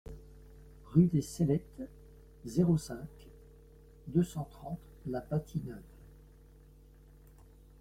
Rue des Cellettes, zéro cinq, deux cent trente La Bâtie-Neuve